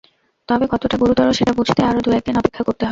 তবে কতটা গুরুতর, সেটা বুঝতে আরও দু-এক দিন অপেক্ষা করতে হবে।